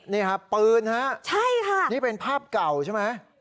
นี่ฮะปืนฮะนี่เป็นภาพเก่าใช่ไหมใช่ค่ะ